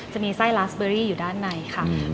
จะมีไส้ลาสเบอรี่อยู่ด้านในค่ะ